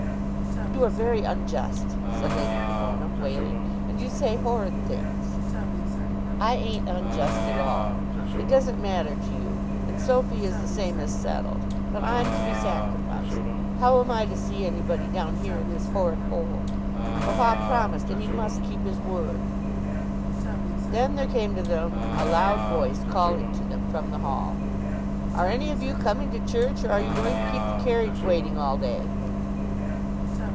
"You are very unjust," said Lady Pomona, wailing, "and you say horrid things." "I ain't unjust at all. It doesn't matter to you. And Sophy is the same as settled. But I'm to be sacrificed! How am I to see anybody down here in this horrid hole? Papa promised and he must keep his word." Then there came to them a loud voice calling to them from the hall. "Are any of you coming to church, or are you going to keep the carriage waiting all day?"